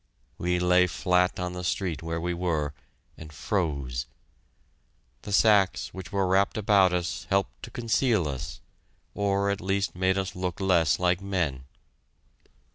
We lay flat on the street where we were, and "froze." The sacks which were wrapped about us helped to conceal us, or at least made us look less like men.